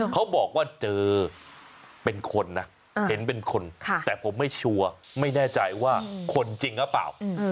เขาบอกว่าเจอเป็นคนนะเห็นเป็นคนแต่ผมไม่ชัวร์ไม่แน่ใจว่าคนจริงหรือเปล่า